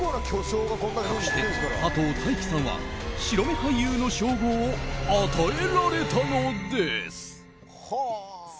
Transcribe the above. かくして佐藤大樹さんは白目俳優の称号を与えられたのです。